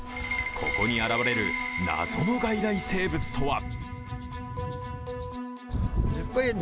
ここに現れる謎の外来生物とは？